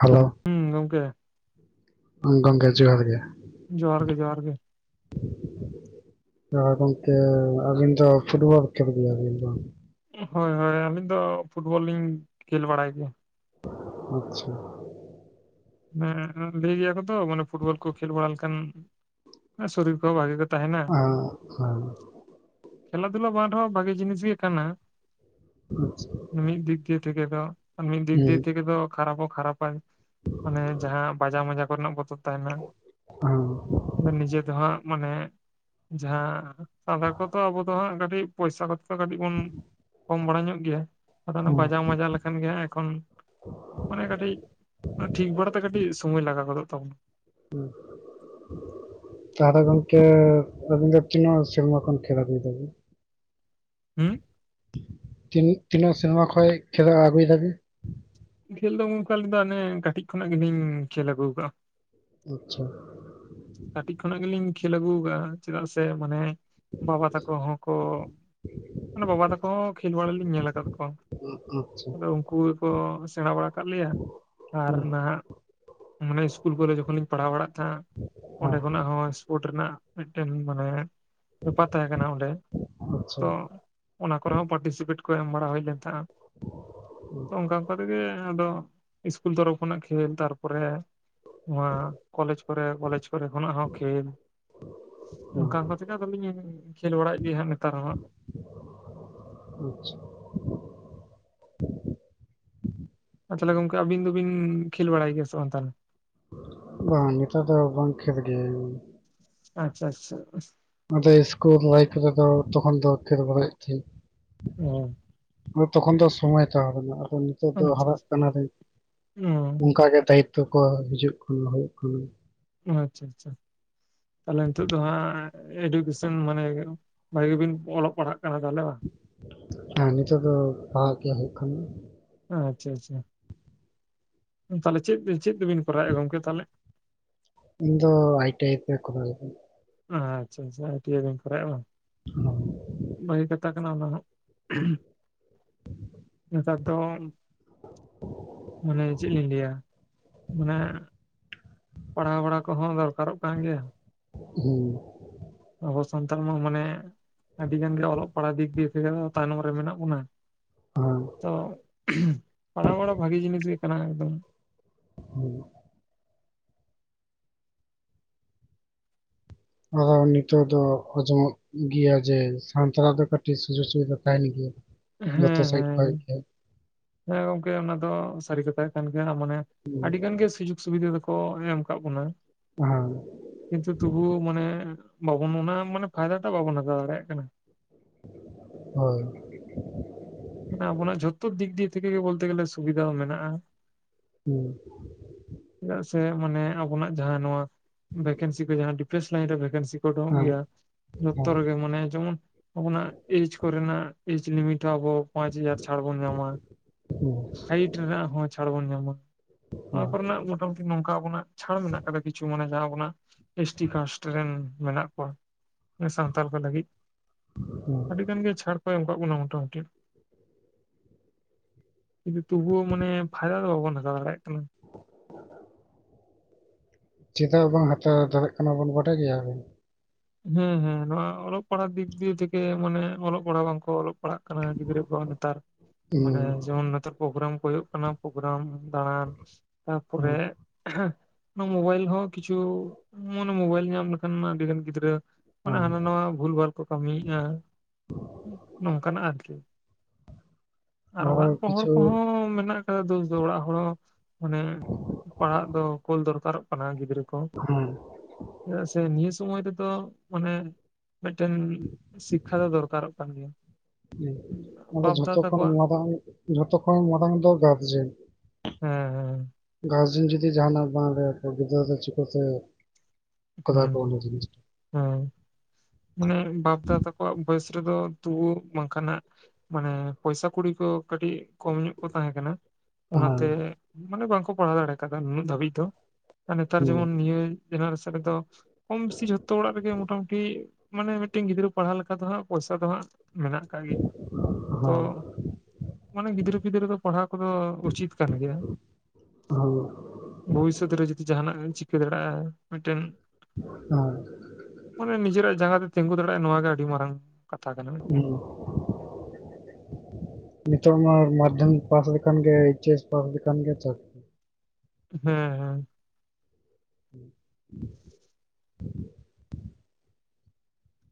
Hello. ᱦᱩᱸ ᱜᱚᱝᱠᱮ᱾ ᱦᱩᱸ ᱜᱚᱝᱠᱮ ᱡᱚᱦᱟᱨ ᱜᱮ ᱾ ᱡᱚᱦᱟᱨ ᱜᱮ ᱡᱚᱦᱟᱨ ᱜᱮ᱾ [inaudible] ᱦᱟ ᱜᱚᱝᱠᱮ ᱟᱵᱤᱱ ᱫᱚ ᱯᱷᱩᱴᱵᱚᱞ ᱠᱷᱮᱞ ᱜᱮᱭᱟ ᱵᱤᱱ ᱵᱟᱝ᱾ ᱦᱳᱭ ᱦᱳᱭ, ᱟᱹᱞᱤᱧ ᱫᱚ ᱯᱷᱩᱴᱵᱚᱞ ᱞᱤᱧ ᱠᱷᱮᱞ ᱵᱟᱲᱟᱭ ᱜᱮᱭᱟ ᱾ ᱟᱪᱪᱷᱟ᱾ ᱦᱮᱸ, ᱞᱟᱹᱭ ᱜᱮᱭᱟ ᱠᱚ ᱛᱚ ᱢᱟᱱᱮ ᱯᱷᱩᱴᱵᱚᱞ ᱠᱚ ᱠᱷᱮᱞ ᱵᱟᱲᱟ ᱞᱮᱠᱷᱟᱱ, ᱥᱚᱨᱤᱨ ᱠᱚᱦᱚᱸ ᱵᱷᱟᱜᱤ ᱜᱮ ᱛᱟᱦᱮᱱᱟ ᱟᱪᱪᱷᱟ ᱾ ᱠᱷᱮᱞᱟ ᱫᱷᱩᱞᱟ ᱵᱟᱝ ᱨᱮᱦᱚᱸ ᱵᱷᱟᱜᱤ ᱡᱤᱱᱤᱥ ᱜᱤ ᱠᱟᱱᱟ᱾ ᱢᱤᱫ ᱫᱤᱠ ᱫᱤᱭᱮ ᱛᱷᱮᱠᱮ ᱫᱚ ᱢᱤᱫ ᱫᱤᱠ ᱫᱤᱭᱮ ᱛᱷᱮᱠᱮ ᱫᱚ ᱠᱷᱟᱨᱟᱯ ᱦᱚᱸ ᱠᱷᱟᱨᱟᱯᱟ ᱾ ᱟᱱᱮ ᱡᱟᱦᱟᱸ ᱵᱟᱡᱟᱣ ᱢᱟᱡᱟᱣ ᱠᱚᱨᱮᱱᱟᱜ ᱵᱚᱛᱚᱨ ᱛᱟᱦᱮᱱᱟ ᱾ ᱦᱟᱸ ᱱᱤᱡᱮ ᱫᱚ ᱦᱟᱸᱜ ᱢᱟᱱᱮᱼᱼ ᱡᱟᱦᱟᱸ [unintelligible] ᱟᱨ ᱠᱚᱫᱚ ᱟᱵᱚ ᱫᱚ ᱦᱟᱸᱜ ᱠᱟᱹᱴᱤᱡ ᱯᱚᱭᱥᱟ ᱠᱚ ᱯᱚᱭᱥᱟ ᱠᱚ ᱫᱚ ᱠᱟᱹᱴᱤᱡ ᱵᱚᱱ ᱠᱚᱢ ᱵᱟᱲᱟ ᱧᱚᱜ ᱜᱮᱭᱟ, ᱟᱫᱚ ᱚᱱᱟ ᱵᱟᱡᱟᱣ ᱢᱟᱡᱟᱣ ᱞᱮᱱᱠᱷᱟᱱ ᱾ ᱜᱮ ᱦᱟᱜ ᱮᱠᱷᱚᱱ ᱢᱟᱱᱮ ᱠᱟᱹᱴᱤᱡ ᱴᱷᱤᱠ ᱵᱟᱲᱟ ᱛᱮ ᱠᱟᱹᱴᱤᱡ ᱥᱚᱢᱚᱭ ᱞᱟᱜᱟᱣ ᱜᱚᱫᱚᱜ ᱛᱟᱵᱚᱱᱟ ᱾ [inaudible] ᱛᱟᱦᱞᱮ ᱜᱚᱝᱠᱮ ᱟᱹᱵᱤᱱ ᱫᱚ ᱛᱤᱱᱟᱹᱜ ᱥᱮᱨᱢᱟ ᱠᱷᱚᱱ ᱠᱷᱮᱞ ᱟᱹᱜᱩᱭ ᱫᱟᱵᱤᱱ? ᱦᱩᱸ? ᱛᱤᱱᱟᱹᱜ ᱛᱤᱱᱟᱹᱜ ᱥᱮᱨᱢᱟ ᱠᱷᱚᱡ ᱠᱷᱮᱞ ᱟᱜᱩᱭ ᱫᱟᱵᱤᱱ? ᱠᱷᱮᱞ ᱫᱚ ᱜᱚᱝᱠᱮ ᱟᱞᱤᱧ ᱫᱚ ᱚᱱᱮ ᱠᱟᱹᱴᱤᱡ ᱠᱷᱚᱱᱟᱜ ᱜᱮᱞᱤᱧ ᱠᱷᱮᱞ ᱟᱹᱜᱩ ᱠᱟᱜ-ᱟ ᱾ ᱟᱪᱪᱷᱟ᱾ ᱠᱟᱴᱤᱡ ᱠᱷᱚᱱᱟᱜ ᱜᱮᱞᱤᱧ ᱠᱷᱮᱞ ᱟᱹᱜᱩ ᱠᱟᱜ-ᱟ ᱪᱮᱫᱟᱜ ᱥᱮ ᱢᱟᱱᱮ ᱵᱟᱵᱟ ᱛᱟᱠᱚ ᱦᱚᱸᱠᱚ ᱢᱟᱱᱮ ᱵᱟᱵᱟ ᱛᱟᱠᱚ ᱦᱚᱸ ᱠᱷᱮᱞ ᱵᱟᱲᱟ ᱞᱤᱧ ᱧᱮᱞ ᱟᱠᱟᱫ ᱠᱚᱣᱟ ᱟᱪᱪᱷᱟ ᱟᱫᱚ ᱩᱱᱠᱩ ᱜᱮᱠᱚ ᱥᱮᱬᱟ ᱵᱟᱲᱟ ᱠᱟᱱ ᱞᱮᱭᱟ ᱟᱨ ᱦᱩᱸ ᱱᱟᱦᱟᱜ ᱢᱟᱱᱮ ᱤᱥᱠᱩᱞ ᱠᱚᱨᱮ ᱡᱚᱠᱷᱚᱱ ᱞᱤᱧ ᱯᱟᱲᱦᱟᱣ ᱵᱟᱲᱟᱜ ᱛᱟᱦᱮᱸᱜᱼᱟ ᱾ ᱚᱸᱰᱮ ᱠᱷᱚᱱᱟᱜ ᱦᱚᱸ ᱥᱯᱳᱨᱴ ᱨᱮᱱᱟᱜ ᱢᱤᱫᱴᱮᱱ ᱢᱟᱱᱮ ᱵᱮᱯᱟᱨ ᱛᱟᱦᱮᱸ ᱠᱟᱱᱟ ᱚᱸᱰᱮ, ᱦᱮᱸ ᱟᱪᱪᱷᱟ ᱛᱚ ᱚᱱᱟ ᱠᱚᱨᱮ ᱦᱚᱸ ᱯᱟᱴᱤᱥᱤᱯᱮᱴ ᱠᱚ ᱮᱢ ᱵᱟᱲᱟ ᱦᱩᱭ ᱞᱮᱱ ᱛᱟᱦᱮᱜᱼᱟ ᱾ ᱛᱚ ᱚᱱᱠᱟ ᱚᱱᱠᱟ ᱛᱮᱜᱮ ᱟᱫᱚ ᱤᱥᱠᱩᱞ ᱛᱚᱨᱚᱯᱷ ᱠᱷᱚᱱᱟᱜ ᱠᱷᱮᱞ, ᱛᱟᱨᱯᱚᱨᱮ ᱱᱚᱣᱟ ᱠᱚᱞᱮᱡᱽ ᱠᱚᱨᱮ ᱠᱚ ᱠᱷᱚᱱᱟᱜ ᱦᱚᱸ ᱠᱷᱮᱞ᱾ ᱦᱩᱸ ᱚᱱᱠᱟ ᱚᱱᱠᱟ ᱛᱮᱜᱮ ᱟᱫᱚ ᱞᱤᱧ ᱠᱷᱮᱞ ᱵᱟᱲᱟᱭ ᱮᱫ ᱜᱮᱭᱟ ᱦᱟᱸᱜ ᱱᱮᱛᱟᱨ ᱦᱚᱸ ᱦᱟᱸᱜ᱾ ᱟᱪᱪᱷᱟ, ᱟᱨ ᱛᱟᱦᱚᱞᱮ ᱜᱚᱝᱠᱮ ᱟᱹᱵᱤᱱ ᱫᱚᱵᱤᱱ ᱠᱷᱮᱞ ᱵᱟᱲᱟᱭ ᱜᱮᱭᱟ ᱥᱮ ᱵᱟᱝ ᱛᱟᱦᱞᱮ? ᱵᱟᱝ ᱱᱮᱛᱟᱨ ᱫᱚ ᱵᱟᱝ ᱠᱷᱮᱞ ᱜᱮᱭᱤᱧ᱾ ᱟᱪᱪᱷᱟ [unintelligible] ᱟᱞᱮ ᱤᱥᱠᱩᱞ ᱞᱟᱭᱤᱯᱷ ᱨᱮᱫᱚ ᱛᱚᱠᱷᱚᱱ ᱫᱚ ᱠᱷᱮᱞ ᱵᱟᱲᱟᱭ ᱦᱩᱭᱩᱜ ᱛᱟᱦᱤᱡ᱾ ᱚᱸ ᱛᱚᱠᱷᱚᱱ ᱫᱚ ᱥᱚᱢᱚᱭ ᱛᱟᱦᱮ ᱠᱟᱱᱟ ᱟᱫᱚ ᱱᱤ- ᱛᱚᱜ ᱫᱚ ᱟᱪᱪᱷᱟ ᱦᱟᱨᱟᱜ ᱠᱟᱱᱟ ᱨᱮ᱾ ᱚ ᱚᱱᱠᱟᱜ ᱜᱮ ᱫᱟᱭᱤᱛᱚ ᱠᱚ ᱦᱤᱡᱩᱜ ᱠᱟᱱᱟ ᱦᱩᱭᱩᱜ ᱠᱟᱱᱟ᱾ ᱟᱪᱪᱷᱟ ᱟᱪᱪᱷᱟ, ᱛᱟᱦᱚᱞᱮ ᱱᱤᱛᱚᱜ ᱫᱚ ᱦᱟᱸᱜ ᱮᱰᱩᱠᱮᱥᱚᱱ ᱢᱟᱱᱮ ᱵᱷᱟᱹᱜᱤ ᱜᱮᱵᱤᱱ ᱚᱞᱚᱜ ᱯᱟᱲᱦᱟᱜ ᱠᱟᱱᱟ ᱛᱟᱦᱚᱞᱮ ᱵᱟᱝ? ᱦᱮᱸ ᱱᱤᱛᱚᱜ ᱫᱚ ᱯᱟᱲᱦᱟᱜ ᱜᱮ ᱦᱩᱭᱩᱜ ᱠᱟᱱ᱾ ᱟᱪᱪᱷᱟ ᱟᱪᱪᱷᱟ, ᱛᱟᱦᱚᱞᱮ ᱪᱮᱫ ᱵᱤᱱ ᱪᱮᱫ ᱫᱮᱵᱤᱱ ᱠᱚᱨᱟᱣᱮᱫ-ᱟ ᱜᱚᱝᱠᱮ ᱛᱟᱦᱚᱞᱮ? ᱤᱧ ᱫᱚ ᱟᱭ ᱴᱤ ᱟᱭ ᱛᱮ ᱠᱚᱨᱟᱣ ᱫᱤᱧ᱾ ᱟᱪᱪᱷᱟ ᱟᱪᱪᱷᱟ ᱟᱭ ᱴᱤ ᱟᱭ ᱛᱮᱢ ᱠᱚᱨᱟᱣ ᱮᱜ-ᱟ ᱵᱟᱝ, ᱵᱷᱟᱹᱜᱤ ᱠᱟᱛᱷᱟ᱾ ᱠᱟᱱᱟ ᱚᱱᱟ ᱦᱚᱸ, ᱱᱮᱛᱟᱨ ᱫᱚ ᱢᱟᱱᱮ ᱪᱮᱫ ᱞᱤᱧ ᱞᱟᱹᱭᱟ ᱢᱟᱱᱮ ᱯᱟᱲᱦᱟᱣ ᱵᱟᱲᱟ ᱠᱚᱦᱚᱸ ᱫᱚᱨᱠᱟᱨᱚᱜ ᱠᱟᱱ ᱜᱮᱭᱟ᱾ ᱦᱩᱸ, ᱟᱵᱚ ᱥᱟᱱᱛᱷᱟᱞ ᱢᱟ ᱢᱟᱱᱮ ᱟᱹᱰᱤ ᱜᱟᱱ ᱜᱮ ᱚᱞᱚᱜ ᱯᱟᱲᱦᱟᱜ ᱫᱤᱠ ᱫᱤᱭᱮ ᱛᱮᱜᱮ ᱛᱟᱭᱱᱚᱢ ᱨᱮ ᱢᱮᱱᱟᱜ ᱵᱚᱱᱟ᱾ ᱛᱚ ᱯᱟᱲᱦᱟᱣ ᱵᱟᱲᱟ ᱵᱷᱟᱹᱜᱤ ᱡᱤᱱᱤᱥ ᱜᱮ ᱠᱟᱱᱟ ᱮᱠᱫᱚᱢ᱾ ᱦᱩᱸ [unintelligible] ᱱᱤᱛᱚᱜ ᱫᱚ ᱟᱸᱡᱚᱢᱚᱜ ᱜᱮᱭᱟ ᱡᱮ ᱥᱟᱱᱛᱟᱲ ᱟᱜ ᱫᱚ ᱠᱟᱹᱴᱤᱡ ᱥᱩᱡᱳᱜᱽ ᱥᱩᱵᱤᱫᱟ ᱛᱟᱦᱮᱸᱱ ᱜᱮᱭᱟ᱾ ᱦᱮᱸ ᱡᱚᱛᱚ ᱦᱮᱸ ᱥᱟᱭᱤᱰ ᱦᱮᱸ ᱠᱷᱚᱡ ᱜᱮ ᱦᱮᱸ ᱜᱚᱝᱠᱮ ᱚᱱᱟ ᱫᱚ ᱥᱟᱹᱨᱤ ᱠᱟᱛᱷᱟ ᱠᱟᱱ ᱜᱮᱭᱟ᱾ ᱢᱟᱱᱮ ᱟᱹᱰᱤ ᱜᱟᱱ ᱜᱮ ᱥᱩᱡᱳᱜᱽ ᱥᱩᱵᱤᱫᱷᱟ ᱫᱚ- ᱠᱚ ᱮᱢ ᱟᱠᱟᱫ ᱵᱚᱱᱟ᱾ ᱦᱮᱸ ᱠᱤᱱᱛᱩ ᱛᱚᱵᱩᱣ ᱢᱟᱱᱮ ᱵᱟᱵᱚᱱ ᱚᱱᱟ ᱢᱟᱱᱮ ᱯᱷᱟᱭᱫᱟ ᱴᱟᱜ ᱵᱟᱵᱚᱱ ᱦᱟᱛᱟᱣ ᱫᱟᱲᱮᱭᱟᱜ ᱠᱟᱱᱟ᱾ ᱦᱳᱭ, ᱢᱟᱱᱮ ᱟᱵᱚᱱᱟᱜ ᱡᱷᱚᱛᱚ ᱫᱤᱠ ᱫᱤᱭᱮ ᱛᱷᱮᱠᱮ ᱜᱮ ᱵᱚᱞᱛᱮ ᱜᱮᱞᱮ ᱥᱩᱵᱤᱫᱷᱟ ᱦᱚᱸ ᱢᱮᱱᱟᱜ-ᱟ᱾ ᱦᱩᱸ ᱪᱮᱫᱟᱜ ᱥᱮ ᱢᱟᱱᱮ ᱟᱵᱚᱱᱟᱜ ᱡᱟᱦᱟᱸ ᱱᱚᱣᱟ ᱵᱷᱮᱠᱮᱱᱥᱤ ᱠᱚ ᱡᱟᱦᱟᱸ ᱰᱤᱯᱷᱮᱱᱥ ᱞᱟᱭᱤᱱ ᱨᱮ ᱵᱷᱮᱠᱮᱱᱥᱤ ᱚᱰᱳᱝ ᱦᱮᱸ ᱦᱮᱸ ᱦᱮᱸ ᱚᱜ ᱜᱮᱭᱟ ᱡᱚᱛᱚ ᱦᱮᱸ ᱦᱮᱸ ᱨᱮᱜᱮ ᱢᱟᱱᱮ ᱡᱮᱢᱚᱱ ᱟᱵᱚᱱᱟᱜ ᱮᱡᱽ ᱠᱚᱨᱮᱱᱟᱜ ᱮᱡᱽ ᱞᱤᱢᱤᱴ ᱦᱚᱸ ᱟᱵᱚ ᱯᱟᱸᱪ ᱦᱟᱡᱟᱨ ᱪᱷᱟᱲ ᱵᱚᱱ ᱧᱟᱢᱟ᱾ ᱥᱟᱭᱤᱴ ᱨᱮᱱᱟᱜ ᱦᱚᱸ ᱪᱷᱟᱲ ᱵᱚᱱ ᱧᱟᱢᱟ᱾ ᱱᱚᱣᱟ ᱠᱚᱨᱮ ᱱᱟᱜ ᱢᱚᱴᱟᱢᱩᱴᱤ ᱱᱚᱝᱠᱟ ᱟᱵᱚᱱᱟᱜ ᱪᱷᱟᱲ ᱢᱮᱱᱟᱜ ᱟᱠᱟᱫᱟ ᱠᱤᱪᱷᱩ ᱢᱟᱱᱮ ᱡᱟᱦᱟᱸ ᱟᱵᱚᱱᱟᱜ ᱮᱥ ᱴᱤ ᱠᱟᱥᱴ ᱨᱮᱱ ᱢᱮᱱᱟᱜ ᱠᱚᱣᱟ ᱥᱟᱱᱛᱟᱞ ᱠᱚ ᱞᱟᱹᱜᱤᱫ᱾ ᱦᱩᱸ ᱟᱹᱰᱤ ᱜᱟᱱ ᱜᱮ ᱪᱷᱟᱲ ᱠᱚ ᱮᱢ ᱟᱠᱟᱫ ᱵᱚᱱᱟ ᱢᱚᱴᱟ-ᱢᱩᱴᱤ᱾ ᱠᱤᱱᱛᱩ ᱛᱚᱵᱩᱳ ᱢᱟᱱᱮ ᱯᱷᱟᱭᱫᱟ ᱫᱚ ᱵᱟᱵᱚᱱ ᱦᱟᱛᱟᱣ ᱫᱟᱲᱮᱭᱟᱜ ᱠᱟᱱᱟ᱾ ᱪᱮᱫᱟᱜ ᱵᱟᱝ ᱦᱟᱛᱟᱣ ᱫᱟᱲᱮᱭᱟᱜ ᱠᱟᱱᱟ ᱵᱚᱱ ᱵᱟᱰᱟᱭ ᱜᱮᱭᱟᱵᱤᱱ? ᱦᱮᱸ ᱦᱮᱸ ᱱᱚᱣᱟ ᱚᱞᱚᱜ ᱯᱟᱲᱦᱟᱜ ᱫᱤᱠ ᱫᱤᱭᱮ ᱛᱷᱮᱠᱮ ᱢᱟᱱᱮ ᱚᱞᱚᱜ ᱯᱟᱲᱦᱟᱜ ᱵᱟᱝ ᱠᱚ ᱚᱞᱚᱜ ᱯᱟᱲᱦᱟᱜ ᱠᱟᱱᱟ ᱜᱤᱫᱽᱨᱟᱹ ᱠᱚ ᱱᱮᱛᱟᱨ ᱦᱩᱸ ᱢᱟᱱᱮ ᱡᱮᱢᱚᱱ ᱱᱤᱛᱳᱜ ᱯᱨᱳᱜᱨᱟᱢ ᱠᱚ ᱦᱩᱭᱩᱜ ᱠᱟᱱᱟ ᱯᱨᱳᱜᱨᱟᱢ, ᱫᱟᱬᱟᱱ ᱛᱟᱨᱯᱚᱨᱮ ᱦᱩᱸ ᱦᱮᱸ ᱱᱚᱣᱟ ᱢᱳᱵᱟᱭᱤᱞ ᱦᱚᱸ ᱠᱤᱪᱷᱩ ᱢᱟᱱᱮ ᱢᱳᱵᱟᱭᱤᱞ ᱧᱟᱢ ᱞᱮᱠᱷᱟᱱ ᱢᱟ ᱟᱹᱰᱤᱜᱟᱱ ᱜᱤᱫᱽᱨᱟᱹ ᱢᱟᱱᱮ ᱦᱩᱸ ᱦᱟᱱᱟ ᱱᱟᱣᱟ ᱵᱷᱩᱞᱵᱷᱟᱞ ᱠᱚ ᱠᱟᱹᱢᱤᱭᱮᱫᱼᱟ, ᱱᱚᱝᱠᱟᱱᱟᱜ ᱟᱨᱠᱤ᱾ ᱟᱨ ᱟᱨᱚ ᱚᱲᱟᱜ ᱠᱚ ᱦᱚᱲ ᱠᱤᱪᱷᱩ ᱠᱚᱦᱚᱸ ᱢᱮᱱᱟᱜ ᱠᱟᱫᱟ ᱫᱳᱥ ᱫᱚ ᱚᱲᱟᱜ ᱦᱚᱲ ᱦᱚᱸ ᱢᱟᱱᱮ ᱯᱟᱲᱦᱟᱜ ᱫᱚ ᱠᱳᱞ ᱫᱚᱨᱠᱟᱨᱚᱜ ᱠᱟᱱᱟ ᱜᱤᱫᱽᱨᱟᱹ ᱠᱚ ᱦᱮᱸ ᱪᱮᱫᱟᱜ ᱥᱮ ᱱᱤᱭᱟᱹ ᱥᱚᱢᱚᱭ ᱫᱚ ᱛᱚ ᱢᱟᱱᱮ ᱢᱤᱫᱴᱮᱱ ᱥᱤᱠᱠᱷᱟ ᱫᱚ ᱫᱚᱨᱠᱟᱨᱚᱜ ᱠᱟᱱ ᱜᱮᱭᱟ᱾ ᱟᱫᱚ ᱵᱟᱯ ᱫᱟᱫᱟ ᱡᱷᱚᱛᱚ ᱠᱷᱚᱱ ᱛᱟᱠᱚᱣᱟᱜ ᱢᱟᱨᱟᱝ ᱡᱷᱚᱛᱚ ᱠᱷᱚᱱ ᱢᱟᱲᱟᱝ ᱫᱚ ᱜᱟᱨᱡᱮᱱ ᱦᱮᱸ ᱦᱮᱸ ᱜᱟᱨᱡᱮᱱ ᱡᱩᱫᱤ ᱡᱟᱸᱦᱟᱸᱱᱟᱜ ᱵᱟᱝ ᱞᱟ. ᱭᱟ ᱛᱚ ᱜᱤᱫᱽᱨᱟᱹ ᱫᱚ ᱪᱤᱠᱟᱹᱛᱮ ᱠᱚᱨᱟᱣ ᱦᱮᱸ ᱟᱠᱚ ᱚᱱᱟ ᱡᱤᱱᱤᱥ ᱦᱮᱸ ᱢᱟᱱᱮ ᱵᱟᱯ-ᱫᱟ ᱛᱟ ᱟᱠᱚᱣᱟᱜ ᱵᱚᱭᱮᱥ ᱨᱮᱫᱚ ᱛᱩᱵᱩ ᱵᱟᱝᱠᱷᱟᱱᱟᱜ ᱢᱟᱱᱮ ᱯᱚᱭᱥᱟ ᱠᱩᱲᱤ ᱠᱚ ᱠᱟᱹᱴᱤᱡ ᱠᱚᱢ ᱧᱚᱸᱜ ᱠᱚ ᱛᱟᱦᱮᱸ ᱠᱟᱱᱟ᱾ ᱦᱮᱸ ᱚᱱᱟ ᱛᱮ ᱢᱟᱱᱮ ᱵᱟᱝ ᱠᱚ ᱯᱟᱲᱦᱟᱣ ᱫᱟᱲᱮ ᱠᱟᱫᱟ ᱱᱩᱱᱟᱹᱜ ᱫᱷᱟᱹᱵᱤᱡ ᱫᱚ ᱱᱮᱛᱟᱨ ᱦᱩᱸ ᱡᱮᱢᱚᱱ ᱱᱤᱭᱟᱹ ᱡᱮᱱᱨᱮᱥᱚᱱ ᱨᱮᱫᱚ, ᱠᱚᱢ ᱵᱤᱥᱤ ᱡᱷᱚᱛᱚ ᱚᱲᱟᱜ ᱨᱮᱜᱮ ᱢᱚᱴᱟᱢᱩᱴᱤ ᱢᱟᱱᱮ ᱢᱤᱫᱴᱮᱱ ᱜᱤᱫᱽᱨᱟᱹ ᱯᱟᱲᱦᱟᱣ ᱞᱮᱠᱟ ᱫᱚ ᱦᱟᱸᱜ ᱯᱚᱭᱥᱟ ᱫᱚ ᱦᱟᱸᱜ ᱢᱮᱱᱟᱜ ᱠᱟᱜ ᱜᱮᱭᱟ ᱛᱚ ᱢᱟᱱᱮ ᱜᱤᱫᱽᱨᱟᱹ ᱯᱤᱫᱽᱨᱟᱹ ᱫᱚ ᱯᱟᱲᱦᱟᱣ ᱠᱚᱫᱚ ᱩᱪᱤᱛ ᱠᱟᱱ ᱜᱮᱭᱟ ᱦᱮᱸ᱾ ᱦᱮᱸ ᱵᱷᱚᱵᱤᱥᱚᱛ ᱨᱮ ᱡᱩᱫᱤ ᱡᱟᱸᱦᱟᱱᱼᱟᱜ ᱜᱮᱢ ᱪᱤᱠᱟᱹ ᱫᱟᱲᱮᱭᱟᱜᱼᱟ ᱢᱤᱫᱴᱮᱱ᱾ [inaudible] ᱢᱟᱱᱮ ᱱᱤᱡᱮᱨᱟᱜ ᱡᱟᱸᱜᱟ ᱛᱮ ᱛᱤᱸᱜᱩ ᱫᱟᱲᱮᱭᱟᱜᱼᱟ ᱱᱚᱣᱟᱜ ᱜᱮ ᱟᱹᱰᱤ ᱢᱟᱨᱟᱝ᱾ ᱠᱟᱛᱷᱟ ᱠᱟᱱᱟ ᱢᱤᱫᱴᱮᱱ᱾ [inaudible] ᱱᱤᱛᱚᱜ ᱢᱟ ᱢᱟᱫᱽᱫᱷᱚᱢᱤᱠ ᱯᱟᱥ ᱞᱮᱠᱷᱟᱱ ᱜᱮ ᱮᱭᱤᱪᱮᱥ ᱯᱟᱥ ᱞᱮᱠᱷᱟᱱ ᱜᱮ ᱪᱟᱠᱨᱤ᱾ ᱦᱮᱸ ᱦᱮᱸ ᱦᱩᱸ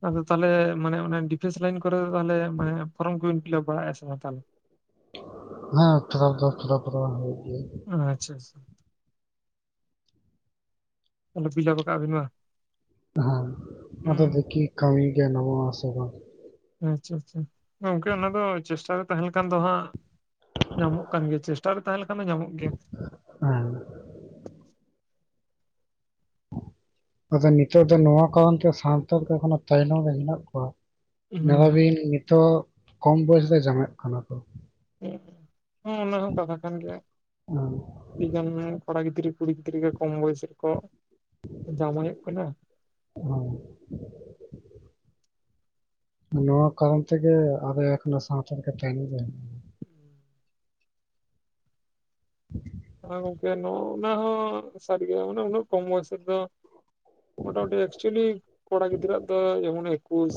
ᱟᱫᱚ ᱛᱟᱞᱦᱮ ᱢᱟᱱᱮ ᱚᱱᱟ ᱰᱤᱯᱷᱮᱱᱥ ᱞᱟᱭᱤᱱ ᱠᱚᱨᱮ ᱛᱟᱦᱚᱞᱮ ᱢᱟᱱᱮ ᱯᱷᱚᱨᱚᱢ ᱠᱚᱵᱤᱱ ᱯᱷᱤᱞᱟᱯ ᱵᱟᱲᱟᱮᱜᱼᱟ ᱥᱮ ᱵᱟᱝ ᱛᱟᱦᱚᱞᱮ᱾ ᱦᱮᱸ ᱯᱷᱤᱞᱟᱯ ᱫᱚ ᱯᱷᱤᱞᱟᱯ ᱯᱩᱨᱚᱱ ᱦᱩᱭᱩᱜ ᱜᱮᱭᱟ᱾ ᱟᱪᱪᱷᱟ ᱟᱪᱪᱷᱟ ᱛᱟᱞᱦᱮ ᱯᱷᱤᱞᱟᱯ ᱟᱠᱟᱜ ᱵᱤᱱ ᱵᱟᱝ᱾ ᱦᱮᱸ ᱟᱫᱚ ᱦᱩᱸ ᱫᱮᱠᱷᱤ ᱠᱟᱹᱢᱤ ᱜᱮ ᱧᱟᱢᱚᱜ ᱟᱥᱮ ᱵᱟᱝ᱾ ᱟᱪᱪᱷᱟ ᱟᱪᱪᱷᱟ ᱜᱚᱝᱠᱮ ᱚᱱᱟ ᱫᱚ ᱪᱮᱥᱴᱟ ᱨᱮ ᱛᱟᱦᱮᱸᱱ ᱠᱷᱟᱱ ᱫᱚ ᱦᱟᱸᱜ ᱧᱟᱢᱚᱜ ᱠᱟᱱ ᱜᱮᱭᱟ ᱪᱮᱥᱴᱟ ᱨᱮ ᱮ ᱛᱟᱦᱮᱸ ᱞᱮᱱᱠᱷᱟᱱ ᱫᱚ ᱧᱟᱢᱚᱜ ᱜᱮᱭᱟ᱾ ᱦᱮᱸ ᱟᱫᱚ ᱱᱤᱛᱚᱜ ᱫᱚ ᱱᱚᱣᱟ ᱠᱟᱨᱚᱱ ᱛᱮ ᱥᱟᱱᱛᱟᱲ ᱠᱚ ᱮᱠᱷᱳ ᱛᱟᱭᱱᱚᱢ ᱨᱮ ᱦᱮᱱᱟᱜ ᱠᱚᱣᱟ᱾ ᱢᱚᱱᱮ ᱦᱩᱸ ᱵᱤᱱ ᱱᱤᱛᱚᱜ ᱠᱚᱢ ᱵᱚᱭᱮᱥ ᱨᱮ ᱡᱟᱶᱟᱭᱼᱚᱜ ᱠᱟᱱᱟ ᱠᱚ᱾ ᱦᱮᱸ ᱚᱱᱟ ᱦᱚᱸ ᱠᱟᱛᱷᱟ ᱠᱟᱱ ᱜᱮᱭᱟ᱾ [inaudible] ᱟᱹᱰᱤ ᱜᱟᱱ ᱜᱮ ᱠᱚᱲᱟ ᱜᱤᱫᱽᱨᱟᱹ ᱠᱩᱲᱤ ᱜᱤᱫᱽᱨᱟᱹ ᱜᱮ ᱠᱚᱢ ᱵᱚᱭᱮᱥ ᱨᱮᱠᱚ ᱡᱟᱶᱟᱭᱼᱚᱜ ᱠᱟᱱᱟ᱾ ᱦᱮᱸ ᱱᱚᱣᱟ ᱠᱟᱨᱚᱱ ᱛᱮᱜᱮ ᱟᱵᱚ ᱥᱟᱱᱛᱟᱲ ᱠᱟ ᱛᱟᱭᱢ ᱨᱮ᱾ [inaudible] ᱦᱮᱸ ᱜᱚᱝᱠᱮ ᱱᱚᱸᱜᱼᱱᱟ ᱦᱚᱸ ᱥᱟᱹᱨᱤ ᱜᱮ ᱢᱟᱱᱮ ᱩᱱᱟᱹᱜ ᱠᱚᱢ ᱵᱚᱭᱮᱥ ᱨᱮᱫᱚ᱾ ᱢᱳᱴᱟᱢᱩᱴᱤ ᱮᱠᱪᱩᱭᱮᱞᱤ ᱠᱚᱲᱟ ᱜᱤᱫᱽᱨᱟᱹ ᱟᱜ ᱫᱚ ᱡᱮᱢᱚᱱ ᱮᱠᱩᱥ᱾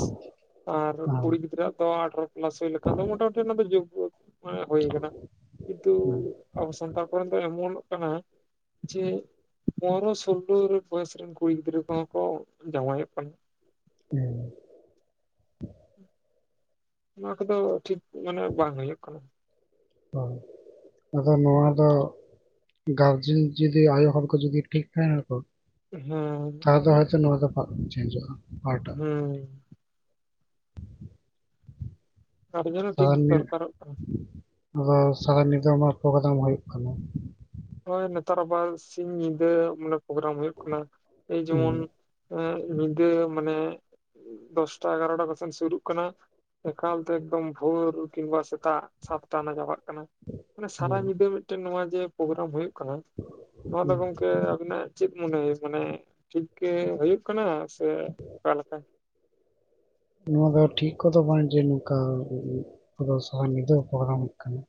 ᱟᱨ ᱠᱩᱲᱤ ᱜᱤᱫᱽᱨᱟᱹ ᱟᱜ ᱫᱚ ᱟᱴᱷᱨᱚ᱾ [unintelligible] ᱞᱮᱠᱷᱟᱱ ᱫᱚ ᱢᱚᱴᱟᱢᱩᱴᱤ ᱚᱱᱟ ᱫᱚ ᱡᱳᱜᱜᱳ ᱢᱟᱱᱮ ᱦᱩᱭ ᱠᱟᱱᱟ᱾ ᱠᱤᱱᱛᱩ ᱦᱮᱸ, ᱟᱵᱚ ᱥᱟᱱᱛᱟᱲ [inaudible] ᱮᱢᱚᱱᱼᱴᱚᱜ ᱠᱟᱱᱟ, ᱡᱮ ᱯᱚᱱᱮᱨᱚ ᱥᱳᱞᱞᱳ ᱵᱚᱭᱮᱥ ᱨᱮᱱ ᱠᱩᱲᱤ ᱜᱤᱫᱽᱨᱟᱹ ᱠᱚᱦᱚᱸ ᱠᱚ ᱡᱟᱶᱟᱭᱼᱚᱜ ᱠᱟᱱᱟ᱾ ᱦᱩᱸ᱾ ᱱᱚᱣᱟ ᱠᱚᱫᱚ ᱴᱷᱤᱠ ᱢᱟᱱᱮ ᱵᱟᱝ ᱦᱩᱭᱩᱜ ᱠᱟᱱᱟ᱾ ᱦᱩᱸ, ᱟᱫᱚ ᱱᱚᱣᱟ ᱫᱚ ᱜᱟᱨᱡᱮᱱ ᱡᱩᱫᱤ ᱟᱭᱳ ᱦᱚᱲ ᱠᱚ ᱡᱩᱫᱤ ᱴᱷᱤᱠ ᱛᱟᱦᱮᱸᱱᱟ ᱠᱚ ᱦᱮᱸ ᱛᱟᱦᱚᱞᱮ ᱦᱚᱭᱛᱚ ᱱᱚᱣᱟ ᱫᱚ ᱵᱟᱝ ᱪᱮᱧᱡᱚᱜᱼᱟ᱾ ᱯᱟᱦᱴᱟᱜ ᱟᱫᱚ ᱦᱩᱸ᱾ ᱜᱟᱨᱡᱮᱱ ᱦᱚᱸ ᱴᱷᱤᱠ ᱫᱚᱨᱠᱟᱨᱚᱜ ᱠᱟᱱᱟ᱾ ᱟᱫᱚ ᱥᱟᱨᱟ ᱧᱤᱫᱟᱹ ᱚᱱᱟ ᱯᱨᱳᱜᱨᱟᱢ ᱦᱩᱭᱩᱜ ᱠᱟᱱᱟ᱾ ᱦᱳᱭ ᱱᱮᱛᱟᱨ ᱟᱵᱟᱨ ᱥᱤᱧ ᱧᱤᱫᱟᱹ ᱢᱟᱱᱮ ᱯᱨᱳᱜᱨᱟᱢ ᱦᱩᱭᱩᱜ ᱠᱟᱱᱟ ᱮ ᱡᱮᱢᱚᱱ ᱦᱮᱸ, ᱮᱸᱜ ᱧᱤᱫᱟᱹ ᱢᱟᱱᱮ, ᱫᱚᱥᱴᱟ ᱮᱜᱟᱨᱚᱴᱟ ᱠᱚ ᱥᱮᱱ ᱥᱩᱨᱩᱜ ᱠᱟᱱᱟ, ᱮᱠᱟᱞ ᱛᱮ ᱮᱠᱫᱚᱢ ᱵᱷᱳᱨ ᱠᱤᱝᱵᱟ ᱥᱮᱛᱟᱜ ᱥᱟᱛᱴᱟ ᱟᱱᱟᱜ ᱪᱟᱵᱟᱜ ᱠᱟᱱᱟ᱾ ᱢᱟᱱᱮ ᱦᱮᱸ, ᱥᱟᱨᱟ ᱧᱤᱫᱟᱹ ᱢᱤᱫᱴᱮᱱ ᱱᱚᱣᱟ ᱡᱮ ᱯᱳᱜᱨᱟᱢ ᱦᱳᱭᱳᱜ ᱠᱟᱱᱟ, ᱱᱚᱣᱟ ᱫᱚ ᱦᱮᱸ᱾ ᱜᱚᱝᱠᱮ ᱟᱵᱤᱱᱟᱜ ᱪᱮᱫ ᱢᱚᱱᱮ ᱦᱩᱭᱩᱜ ᱠᱟᱱᱟ ᱴᱷᱤᱠ ᱜᱮ ᱦᱩᱭᱩᱜ ᱠᱟᱱᱟ ᱥᱮ ᱚᱠᱟ ᱞᱮᱠᱟ? ᱱᱚᱣᱟ ᱫᱚ ᱴᱷᱤᱠ ᱠᱚᱫᱚ ᱵᱟᱝ ᱡᱮ ᱱᱚᱝᱠᱟ ᱯᱩᱨᱟᱹ ᱥᱟᱨᱟ ᱧᱤᱫᱟᱹ ᱯᱳᱜᱨᱟᱢ ᱦᱩᱭᱩᱜ ᱠᱟᱱᱟ᱾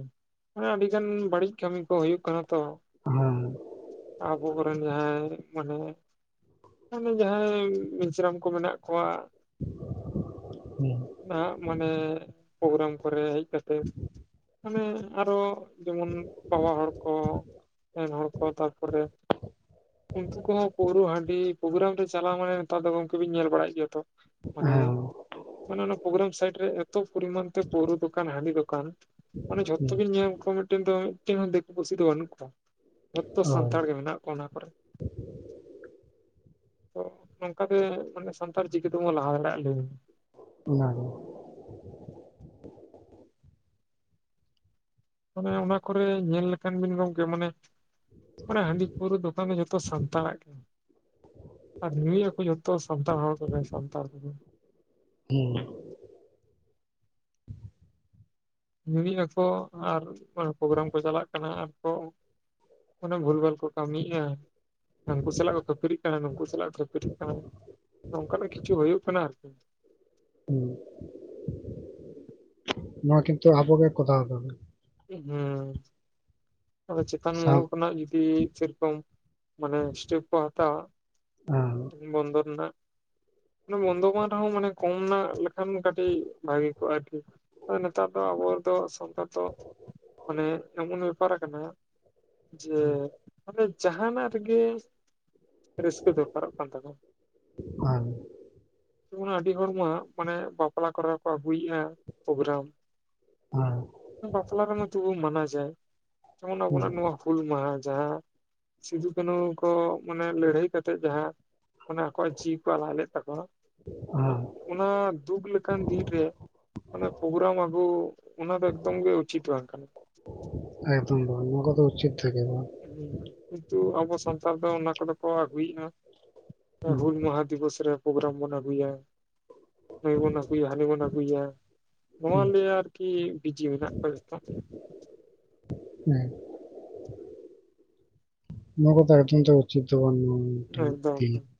[inaudible] ᱢᱟᱱᱮ ᱟᱹᱰᱤ ᱜᱟᱱ ᱵᱟᱹᱲᱤᱡ ᱠᱟᱹᱢᱤ ᱠᱚ ᱦᱩᱭᱩᱜ ᱠᱟᱱᱟ ᱛᱚ᱾ ᱦᱮᱸ ᱦᱮᱸ᱾ ᱟᱵᱚ ᱠᱚᱨᱮᱱ ᱡᱟᱦᱟᱸᱟᱭ ᱢᱟᱱᱮ ᱢᱟᱱᱮ ᱡᱟᱦᱟᱸᱭ ᱢᱤᱥᱨᱟᱢ ᱠᱚ ᱢᱮᱱᱟᱜ ᱠᱚᱣᱟ, ᱦᱩᱸ᱾ ᱱᱟᱦᱟᱜ ᱢᱟᱱᱮ ᱯᱨᱳᱜᱨᱟᱢ ᱠᱚᱨᱮ ᱦᱮᱡ ᱠᱟᱛᱮᱫ ᱢᱟᱱᱮ ᱟᱨᱚ ᱡᱮᱢᱚᱱ ᱵᱟᱵᱟ ᱦᱚᱲ ᱠᱚ, ᱮᱱ ᱦᱚᱲ ᱠᱚ ᱛᱟᱨᱯᱚᱨᱮ ᱤᱱᱛᱩ ᱠᱚ ᱦᱚ ᱯᱟᱹᱣᱨᱟᱹ ᱦᱟᱺᱰᱤ ᱯᱨᱳᱜᱨᱟᱢ ᱛᱮ ᱪᱟᱞᱟᱣ ᱢᱟᱱᱮ ᱱᱮᱛᱟᱨ ᱫᱚ ᱜᱚᱝᱠᱮ ᱵᱤᱱ ᱧᱮᱞ ᱵᱟᱲᱟᱭᱮᱫ ᱜᱮᱭᱟ ᱛᱚ ᱢᱟᱱᱮ ᱦᱮᱸ ᱢᱟᱱᱮ ᱚᱱᱟ ᱯᱨᱚᱜᱨᱟᱢ ᱥᱟᱭᱤᱴ ᱨᱮ ᱮᱛᱚ ᱯᱚᱨᱤᱢᱟᱱ ᱛᱮ ᱯᱟᱹᱣᱨᱟᱹ ᱫᱚᱠᱟᱱ, ᱦᱟᱺᱰᱤ ᱫᱚᱠᱟᱱ, ᱢᱟᱱᱮ ᱡᱷᱚᱛᱚ ᱦᱮᱸ, ᱵᱤᱱ ᱧᱮᱞ ᱠᱚᱣᱟ ᱢᱤᱫᱴᱮᱱ ᱫᱚ ᱢᱤᱫᱴᱟᱱ ᱦᱚᱸ ᱫᱤᱠᱩ ᱯᱩᱥᱤ ᱫᱚ ᱵᱟᱹᱱᱩᱜ ᱠᱚᱣᱟ᱾ ᱡᱷᱚᱛᱚ ᱦᱳᱭ ᱥᱟᱱᱛᱟᱲ ᱜᱮ ᱢᱮᱱᱟᱜ ᱠᱚᱣᱟ ᱚᱱᱟ ᱠᱚᱨᱮ᱾ ᱛᱚ ᱱᱚᱝᱠᱟ ᱜᱮ ᱢᱟᱱᱮ ᱥᱟᱱᱛᱟᱲ ᱪᱤᱠᱟᱹ ᱛᱮᱵᱚᱱ ᱞᱟᱦᱟ ᱫᱟᱲᱮᱭᱟᱜᱼᱟ ᱞᱟᱹᱭ ᱢᱮ? ᱚᱱᱟ ᱜᱮ᱾ ᱢᱟᱱᱮ ᱚᱱᱟ ᱠᱚᱨᱮ ᱧᱮᱞ ᱞᱮᱠᱷᱟᱱ ᱵᱤᱱ ᱜᱚᱝᱠᱮ ᱢᱟᱱᱮ ᱢᱟᱱᱮ ᱦᱟᱺᱰᱤ ᱯᱟᱹᱣᱨᱟᱹ ᱫᱚᱠᱟᱱ ᱫᱚ ᱡᱚᱛᱚ ᱥᱟᱱᱛᱟᱲᱟᱜ ᱜᱮ, ᱟᱨ ᱧᱩᱭᱮᱜ ᱟᱠᱚ ᱡᱚ ᱛᱚ ᱥᱟᱱᱛᱟᱲ ᱦᱚᱲ ᱠᱚᱜᱮ ᱥᱟᱱᱛᱟᱲ ᱠᱚᱜᱮ᱾ ᱦᱩᱸ᱾ ᱧᱩᱭᱮᱜ ᱟᱠᱚ ᱟᱨ ᱚᱱᱟ ᱯᱨᱳᱜᱨᱟᱢ ᱠᱚ ᱪᱟᱞᱟᱜ ᱠᱟᱱᱟ ᱟᱨ ᱠᱚ ᱚᱱᱟ ᱵᱷᱩᱞ ᱵᱷᱟᱞ ᱠᱚ ᱠᱟᱹᱢᱤᱭᱮᱜ-ᱟ᱾ ᱦᱟᱝᱠᱩ ᱥᱟᱞᱟᱜ ᱠᱚ ᱠᱷᱟᱹᱯᱟᱹᱨᱤᱜ ᱠᱟᱱᱟ, ᱱᱩᱝᱠᱩ ᱥᱟᱞᱟᱜ ᱠᱚ ᱠᱷᱟᱹᱯᱟᱹᱨᱤᱜ ᱠᱟᱱᱟ ᱠᱚ, [inaudible] ᱚᱝᱠᱟᱱᱟᱜ ᱠᱤᱪᱷᱩ ᱦᱳᱭᱳᱜ ᱠᱟᱱᱟ ᱟᱨᱠᱤ᱾ ᱦᱩᱸ, ᱚᱱᱟ ᱠᱤᱱᱛᱩ ᱟᱵᱚ ᱜᱮ ᱠᱚᱨᱟᱣ ᱟᱵᱚᱱ᱾ ᱦᱩᱸ᱾ ᱟᱫᱚ ᱪᱮᱛᱟᱱ ᱥᱟᱶ ᱢᱚᱦᱚᱞ ᱠᱷᱚᱱᱟᱜ ᱡᱚᱫᱤ ᱥᱮᱨᱚᱠᱚᱢ ᱢᱟᱱᱮ ᱥᱴᱮᱯ ᱠᱚ ᱦᱟᱛᱟᱣᱟ, ᱦᱩᱸ᱾ ᱵᱚᱱᱫᱚᱨ ᱨᱮᱱᱟᱜ, ᱢᱟᱱᱮ ᱵᱚᱱᱫᱚ ᱵᱟᱝ ᱨᱮ ᱦᱚᱸ ᱢᱟᱱᱮ ᱠᱚᱢ ᱨᱮᱱᱟᱜ ᱞᱮᱠᱷᱟᱱ ᱠᱟᱹᱴᱤᱡ ᱵᱷᱟᱜᱮ ᱠᱚᱜᱼᱟ ᱟᱨᱠᱤ᱾ ᱟᱫᱚ ᱱᱮᱛᱟᱨ ᱫᱚ ᱟᱵᱚ ᱫᱚ ᱥᱟᱱᱛᱟᱲ ᱫᱚ ᱢᱟᱱᱮ ᱮᱢᱚᱱ ᱵᱮᱯᱟᱨ ᱟᱠᱟᱱᱟ ᱡᱮ ᱢᱟᱱᱮ ᱡᱟᱦᱟᱱᱟᱜ ᱨᱮᱜᱮ ᱨᱟᱹᱥᱠᱟᱹ ᱫᱚᱨᱠᱟᱨᱚᱜ ᱠᱟᱱ ᱛᱟᱠᱚᱣᱟ ᱦᱮᱸ ᱡᱮᱢᱚᱱ, ᱟᱹᱰᱤ ᱦᱚᱲᱢᱟ ᱢᱟᱱᱮ ᱵᱟᱯᱞᱟ ᱠᱚᱨᱮ ᱠᱚ ᱟᱜᱩᱭᱮᱜᱼᱟ ᱯᱨᱳᱜᱨᱟᱢ᱾ ᱦᱮᱸ᱾ ᱪᱟᱞᱟᱜ ᱠᱟᱱᱟ ᱛᱩᱵᱩ ᱢᱟᱱᱟ ᱡᱟᱭ ᱛᱮᱢᱚᱱ ᱦᱮᱸ ᱟᱵᱚᱱᱟᱜ ᱱᱚᱣᱟ ᱦᱩᱞ ᱢᱟᱦᱟ ᱡᱟᱦᱟᱸ ᱥᱤᱫᱩ ᱠᱟᱹᱱᱩ ᱠᱚ, ᱢᱟᱱᱮ ᱞᱟᱹᱲᱦᱟᱹᱭ ᱠᱟᱛᱮᱜ ᱡᱟᱦᱟᱸ ᱢᱟᱱᱮ ᱟᱠᱚᱣᱟᱜ ᱡᱤᱸᱣᱤ ᱠᱚ ᱟᱞᱟᱭ ᱞᱮᱫ ᱛᱟᱠᱚᱣᱟ᱾ ᱦᱮᱸ ᱩᱱᱟᱜ ᱚᱱᱟ ᱫᱩᱠ ᱞᱮᱠᱟᱱ ᱫᱤᱱ ᱨᱮ᱾ ᱢᱟᱱᱮ ᱯᱨᱳᱜᱨᱟᱢ ᱟᱹᱜᱩ, ᱚᱱᱟ ᱫᱚ ᱮᱠᱫᱚᱢ ᱜᱮ ᱩᱪᱤᱛ ᱵᱟᱝ ᱠᱟᱱᱟ᱾ ᱮᱠᱫᱚᱢ ᱵᱟᱝ ᱱᱚᱣᱟ ᱠᱚᱫᱚ ᱩᱪᱤᱛ ᱛᱟᱦᱮ ᱜᱮ ᱵᱟᱝ᱾ ᱦᱚᱸ ᱱᱤᱛᱚᱜ ᱟᱵᱚ ᱥᱟᱱᱛᱟᱲ ᱫᱚ ᱚᱱᱟ ᱠᱚᱫᱚ ᱠᱚ ᱟᱹᱜᱩᱭᱮᱫᱼᱟ᱾ ᱟᱫᱚ ᱦᱩᱸ ᱦᱩᱞ ᱢᱟᱦᱟ ᱫᱤᱵᱚᱥ ᱨᱮ ᱯᱨᱳᱜᱨᱟᱢ ᱵᱚᱱ ᱟᱹᱜᱩᱭᱟ᱾ ᱱᱩᱭ ᱵᱚᱱ ᱟᱹᱜᱩᱭᱟ ᱦᱟᱱᱤ ᱵᱚᱱ ᱟᱹᱜᱩᱭᱟ, ᱱᱚᱣᱟ ᱦᱩᱸ ᱞᱟᱹᱭ ᱟᱨᱠᱤ ᱵᱤᱡᱤ ᱢᱮᱱᱟᱜ ᱠᱚᱣᱟ ᱡᱚᱛᱚ᱾ ᱦᱮᱸ᱾ ᱱᱚᱣᱟ ᱠᱚᱫᱚ ᱮᱠᱫᱚᱢ ᱛᱮ ᱚᱪᱤᱛ ᱫᱚ ᱵᱟᱝ᱾ ᱮᱠᱫᱚᱢ ᱮᱠᱫᱚᱢ [unintelligible]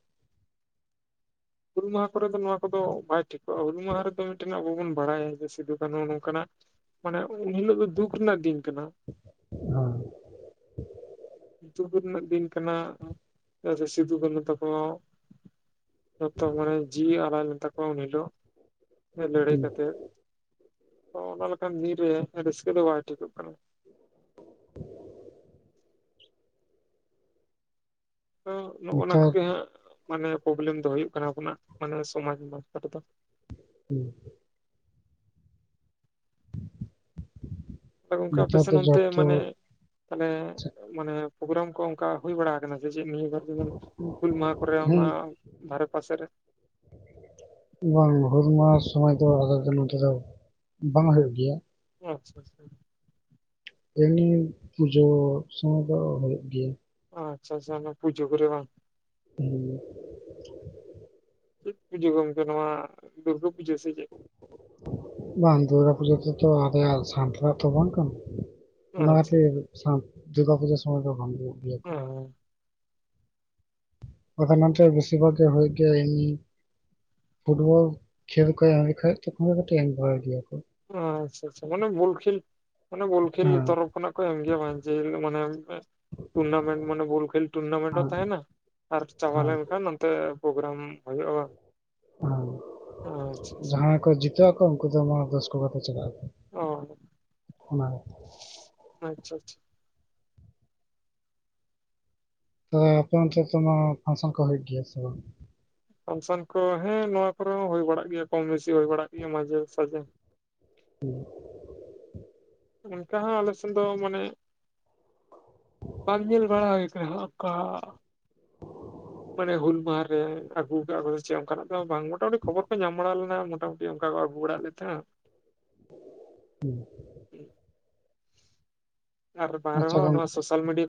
ᱦᱩᱞ ᱢᱟᱦᱟ ᱠᱚᱨᱮ ᱫᱚ ᱱᱚᱣᱟ ᱠᱚᱫᱚ ᱵᱟᱭ ᱴᱷᱤᱠᱚᱜᱼᱟ᱾ ᱦᱩᱞ ᱢᱟᱦᱟ ᱨᱮᱫᱚ ᱢᱤᱫᱴᱮᱱ ᱟᱵᱚ ᱵᱚᱱ ᱵᱟᱲᱟᱭᱟ ᱡᱮ ᱥᱤᱫᱸᱩ ᱠᱟᱹᱱᱩ ᱱᱚᱝᱠᱟᱱᱟᱜ ᱢᱟᱱᱮ, ᱩᱱᱦᱤᱞᱳᱜ ᱫᱚ ᱫᱩᱸᱠ ᱨᱮᱱᱟᱜ ᱫᱤᱱ ᱠᱟᱱᱟ᱾ ᱦᱚᱸ᱾ ᱫᱩᱠ ᱨᱮᱱᱟᱜ ᱫᱤᱱ ᱠᱟᱱᱟ, ᱪᱮᱫᱟᱜ ᱥᱮ ᱥᱤᱫᱸᱩ ᱠᱟᱹᱱᱩ ᱛᱟᱠᱚ ᱡᱚᱛᱚ ᱢᱟᱱᱮ ᱡᱤᱣᱤ ᱟᱞᱟᱟᱭ ᱞᱮᱱ ᱛᱟᱠᱚᱣᱟ ᱩᱱ ᱦᱤᱞᱳᱜ, ᱞᱟᱹᱲᱦᱟᱹᱭ ᱠᱟᱛᱮᱜ᱾ ᱛᱚ ᱚᱱᱟ ᱞᱮᱠᱟᱱ ᱫᱤᱱ ᱨᱮ, ᱨᱟᱹᱥᱠᱟᱹ ᱫᱚ ᱵᱟᱭ ᱴᱷᱤᱠᱚᱜ ᱠᱟᱱᱟ᱾ ᱛᱚ ᱱᱚᱳᱱᱟ ᱱᱮᱛᱟᱨ ᱠᱚᱜᱮ ᱦᱟᱸᱜ ᱢᱟᱱᱮ ᱯᱞᱚᱵᱮᱞᱮᱢ ᱫᱚ ᱦᱩᱭᱩᱜ ᱠᱟᱱᱟ ᱟᱵᱚᱱᱟᱜ ᱢᱟᱱᱮ ᱥᱚᱢᱟᱡ ᱵᱟᱨᱛᱟ ᱨᱮᱫᱚ᱾ ᱦᱩᱸ᱾ ᱦᱚᱭ ᱜᱚᱝᱠᱮ ᱱᱮᱛᱟᱨ ᱫᱚ ᱟᱯᱮᱥᱮᱱ ᱚᱱᱛᱮ ᱡᱚᱛᱚ ᱢᱟᱱᱮ, ᱢᱟᱱᱮ ᱢᱟᱱᱮ ᱯᱨᱳᱜᱨᱟᱢ ᱠᱚ ᱚᱱᱠᱟ ᱦᱩᱭ ᱵᱟᱲᱟ ᱟᱠᱟᱱᱟ ᱥᱮ ᱪᱮᱫ ᱱᱤᱭᱟᱹ ᱵᱟᱨ ᱡᱮᱢᱚᱱ ᱦᱩᱞ ᱢᱟᱦᱟ ᱠᱚᱨᱮ ᱦᱮᱸ ᱚᱱᱟ ᱫᱷᱟᱨᱮ ᱯᱟᱥᱮ ᱨᱮ [inaudible] ᱵᱟᱝ ᱦᱩᱞ ᱢᱟᱦᱟ ᱥᱚᱢᱚᱭ ᱫᱚ ᱟᱞᱮ ᱫᱚ ᱱᱚᱛᱮ ᱫᱚ ᱵᱟᱝ ᱦᱩᱭᱩᱜ ᱜᱮᱭᱟ᱾ ᱟᱪᱪᱷᱟ ᱟᱪᱪᱷᱟ᱾ ᱮᱢᱱᱤ ᱯᱩᱡᱟᱹ ᱥᱚᱢᱚᱭ ᱫᱚ ᱦᱩᱭᱩᱜ ᱜᱮᱭᱟ᱾ ᱚ ᱟᱪᱪᱷᱟ ᱟᱪᱪᱷᱟ ᱚᱱᱟ ᱯᱩᱡᱟᱹ ᱠᱚᱨᱮ ᱵᱟᱝ? [inaudible] ᱪᱮᱫ ᱯᱩᱡᱟᱹ ᱜᱚᱢᱠᱮ, ᱱᱚᱣᱟ ᱫᱩᱨᱜᱟᱹ ᱯᱩᱡᱟᱹ ᱥᱮ ᱪᱮᱫ? ᱵᱟᱝ ᱫᱩᱨᱜᱟ ᱯᱩᱡᱟᱹ ᱨᱮᱛᱚ ᱟᱞᱮᱭᱟᱜ ᱥᱟᱱᱛᱟᱨᱟ ᱛᱚ ᱵᱟᱝ ᱠᱟᱱᱟ᱾ ᱚᱱᱟ ᱟᱪᱪᱷᱟ ᱠᱷᱟᱹᱛᱤᱨ ᱟᱪᱪᱷᱟ ᱥᱟᱱᱛ ᱫᱩᱨᱜᱟ ᱯᱩᱡᱟᱹ ᱥᱚᱢᱚᱭ ᱫᱚ ᱵᱟᱝ ᱦᱚᱭᱩᱜ ᱜᱮᱭᱟ ᱠᱚ᱾ ᱟᱫᱚ ᱱᱚᱛᱮ ᱵᱤᱥᱤᱨ ᱵᱷᱟᱜ ᱜᱮ ᱦᱩᱭ ᱜᱮ ᱮᱧ ᱯᱷᱩᱴᱵᱚᱞ ᱠᱷᱮᱞ ᱠᱚ ᱮᱢ ᱞᱮᱠᱷᱟᱡ, ᱛᱚᱠᱷᱚᱱ ᱫᱚ ᱠᱟᱹᱴᱤᱡ ᱮᱢ ᱵᱟᱰᱟᱭ ᱜᱮᱭᱟ ᱠᱚ᱾ ᱟᱪᱪᱷᱟ ᱟᱪᱪᱷᱟ ᱢᱟᱱᱮ ᱵᱚᱞ ᱠᱷᱮᱞ, ᱢᱟᱱᱮ ᱵᱚᱞ ᱠᱷᱮᱞ ᱦᱮᱸ ᱛᱚᱨᱚᱵ ᱠᱷᱚᱱᱟᱜ ᱠᱚ ᱮᱢ ᱜᱮᱭᱟ ᱵᱟᱝ ᱡᱮ ᱦᱤᱞᱚᱜ ᱢᱟᱱᱮ ᱴᱩᱨᱱᱟᱢᱮᱱᱴ ᱢᱟᱱᱮ ᱵᱚᱞ ᱠᱷᱮᱞ ᱴᱩᱨᱱᱟᱢᱮᱱᱴ ᱦᱚᱸ ᱦᱮᱸ ᱛᱟᱦᱮᱱᱟ ᱟᱨ ᱪᱟᱵᱟ ᱦᱮᱸ ᱞᱮᱱᱠᱷᱟᱱ ᱱᱚᱛᱮ ᱯᱨᱳᱜᱨᱟᱢ ᱦᱩᱭᱩᱜᱼᱟ ᱵᱟᱝ? ᱦᱮᱸ ᱟᱪᱪᱷᱟ ᱟᱪᱪᱷᱟ ᱡᱟᱦᱟᱸᱭ ᱠᱚ ᱡᱤᱛᱟᱹᱜ ᱟᱠᱚ ᱩᱱᱠᱩ ᱫᱚ ᱫᱚᱢᱮ ᱨᱟᱹᱥᱠᱟ ᱠᱟᱛᱮ ᱪᱟᱞᱟᱜ ᱟᱠᱚ᱾ ᱚᱸ ᱚᱱᱟ ᱟᱪᱪᱷᱟ ᱟᱪᱪᱷᱟ᱾ ᱛᱚᱵᱮ ᱟᱯᱮ ᱚᱱᱛᱮ ᱫᱚ ᱯᱦᱟᱱᱥᱚᱱ ᱠᱚ ᱦᱩᱭᱩᱜ ᱜᱮᱭᱟ ᱥᱮ ᱵᱟᱝ? ᱯᱷᱟᱱᱥᱚᱱ ᱠᱚ ᱦᱮᱸ ᱱᱚᱣᱟ ᱠᱚᱨᱮ ᱦᱚᱸ ᱦᱩᱭ ᱵᱟᱲᱟᱜ ᱜᱮᱭᱟ ᱠᱚᱢ ᱵᱮᱥᱤ ᱦᱩᱭ ᱵᱟᱲᱟᱜ ᱜᱮᱭᱟ ᱢᱟᱡᱷᱮ ᱥᱟᱡᱷᱮ᱾ [inaudible] ᱚᱱᱠᱟ ᱦᱚᱸ ᱟᱞᱮᱥᱮᱱ ᱫᱚ ᱢᱟᱱᱮ ᱵᱟᱢ ᱧᱮᱞ ᱵᱟᱲᱟ ᱦᱩᱭ ᱟᱠᱟᱱᱟ ᱦᱚᱸᱜᱼᱚᱝᱠᱟ ᱢᱟᱱᱮ ᱦᱩᱞ ᱢᱟᱦᱟᱸ ᱨᱮ ᱟᱹᱜᱩ ᱠᱟᱜ ᱠᱚ ᱪᱮᱜ ᱚᱱᱠᱟᱱᱟᱜ ᱫᱚ ᱵᱟᱝ ᱢᱚᱴᱟᱢᱩᱴᱤ ᱠᱷᱚᱵᱚᱨ ᱠᱚ ᱧᱟᱢ ᱵᱟᱲᱟ ᱞᱮᱱᱟ ᱢᱚᱴᱟᱢᱩ ᱴᱤ ᱚᱱᱠᱟ ᱠᱚ ᱟᱹᱜᱩ ᱵᱟᱲᱟᱜ ᱞᱮᱫ ᱛᱟᱦᱮᱸᱜ᱾ ᱦᱩᱸ ᱦᱩᱸ ᱟᱨ ᱵᱟᱝ ᱟᱪᱪᱷᱟ ᱨᱮᱦᱚᱸ ᱜᱚᱝᱠᱮ ᱱᱚᱣᱟ ᱥᱳᱥᱟᱞ ᱢᱤᱰᱤ